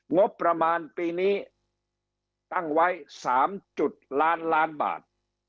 งบประมาณปีนี้ตั้งไว้๓จุดล้านล้านบาท